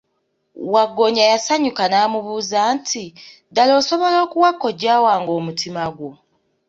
Waggoonya yasanyuka n'amubuuza nti, ddala osobola okuwa kojja wange omutima gwo?